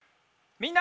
みんな！